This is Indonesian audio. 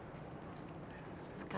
terima kasih mak